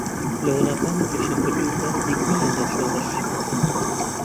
لە ولاتانی گەشکردو باسێك نییە لە شۆرش.